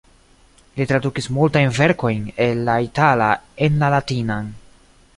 Li tradukis multajn verkojn el la itala en la latinan.